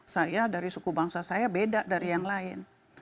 saya dari suku bangsa saya beda dari yang lain